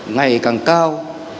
ngày càng cao